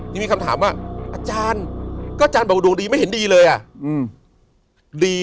นี่มีคำถามว่าอาจารย์ก็อาจารย์บอกว่าดวงดีไม่เห็นดีเลยอ่ะ